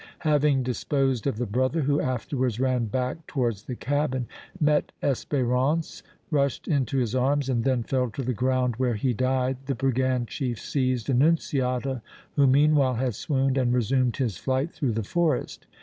Having disposed of the brother, who afterwards ran back towards the cabin, met Espérance, rushed into his arms and then fell to the ground where he died, the brigand chief seized Annunziata, who meanwhile had swooned, and resumed his flight through the forest.